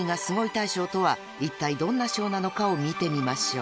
大賞とはいったいどんな賞なのかを見てみましょう］